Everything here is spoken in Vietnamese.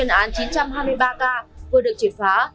điển hình như trong chuyên án chín trăm hai mươi ba k vừa được triệt phá